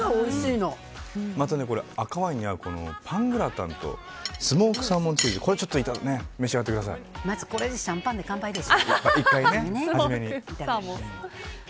また赤ワインに合うパングラタンとスモークサーモンチーズをまずはシャンパンで乾杯です。